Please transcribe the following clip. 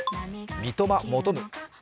三笘求む。